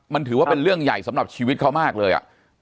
มันถือว่าเป็นเรื่องใหญ่สำหรับชีวิตเขามากเลย